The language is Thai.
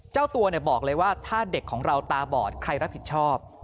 เจ้าตัวบอกเลยว่าถ้าเด็กของเราตาบอดใครรับผิดชอบ